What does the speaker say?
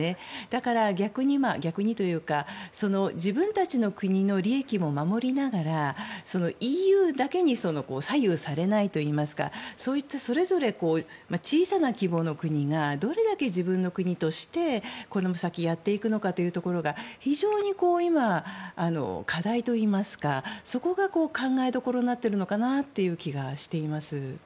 だから逆にというか自分たちの国の利益も守りながらＥＵだけに左右されないといいますかそういったそれぞれ小さな規模の国がどれだけ自分の国としてこの先やっていくのかが非常に今、課題といいますかそこが考えどころになっているのかなという気がします。